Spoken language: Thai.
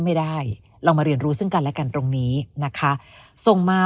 ไม่ได้ลองมาเรียนรู้ซึ่งกันและกันตรงนี้นะคะส่งมา